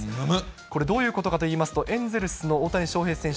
これどういうことかといいますと、エンゼルスの大谷翔平選手。